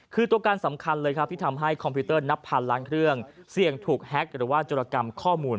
คือตัวการสำคัญเลยครับที่ทำให้คอมพิวเตอร์นับพันล้านเครื่องเสี่ยงถูกแฮ็กหรือว่าจุรกรรมข้อมูล